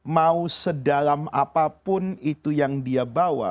mau sedalam apapun itu yang dia bawa